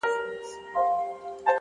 صبر د لویو بریاوو قیمت دی.!